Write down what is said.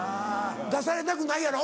出されたくないやろ？